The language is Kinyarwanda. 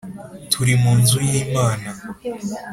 turi mu nzu y Imana